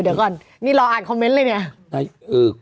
เดี๋ยวก่อนนี่รออ่านคอมเมนต์เลยเนี่ย